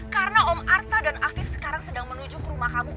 karena om arta dan afif sekarang sedang menuju ke rumah kamu